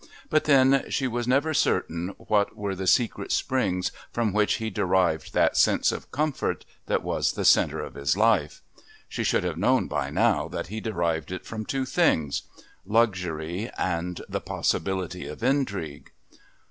But then she was never certain what were the secret springs from which he derived that sense of comfort that was the centre of his life. She should have known by now that he derived it from two things luxury and the possibility of intrigue.